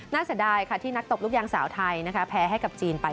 เสียดายค่ะที่นักตบลูกยางสาวไทยแพ้ให้กับจีนไป